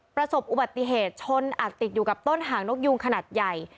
ประสบอุบัติเหตุชนอัดติดอยู่กับต้นหางนกยูงขนาดใหญ่